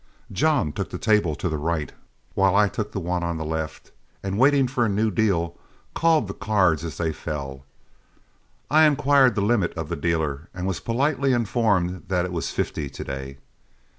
John took the table to the right, while I took the one on the left, and waiting for a new deal, called the cards as they fell. I inquired the limit of the dealer, and was politely informed that it was fifty to day.